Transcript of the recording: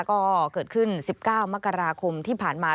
ก็เกิดขึ้น๑๙มกราคมที่ผ่านมา